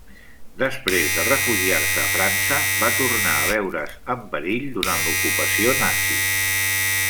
Després de refugiar-se a França, va tornar a veure's en perill durant l'ocupació nazi.